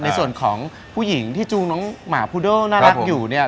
ในส่วนของผู้หญิงที่จูงน้องหมาพูโดน่ารักอยู่เนี่ย